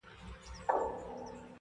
چي وايي.